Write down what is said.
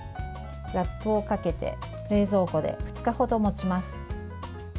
ラップをかけて冷蔵庫で２日ほどもちます。